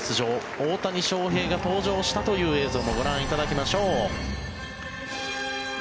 大谷翔平が登場したという映像もご覧いただきましょう。